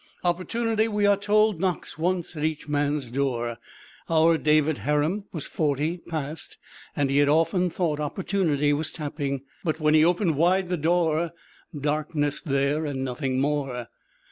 Opportunity, we are told, knocks once at each man's door. Our David Harum was forty, past, and he had often thought Opportunity was tapping, but when he opened wide the door, darkness there, and nothing more!